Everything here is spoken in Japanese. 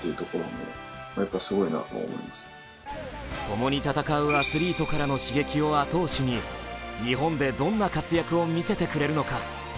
共に戦うアスリートからの刺激を後押しに日本でどんな活躍を見せてくれるのか。